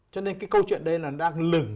cho nên cái câu chuyện đây là đang lửng